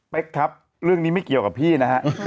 ครับเรื่องนี้ไม่เกี่ยวกับพี่นะฮะ